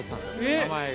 名前が。